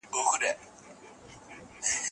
د ماشومتوب او د بنګړیو وطن